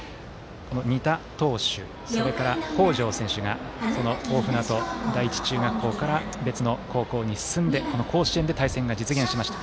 仁田投手、それから北條選手が大船渡第一中学校から別の高校に進んでこの甲子園で対戦が実現しました。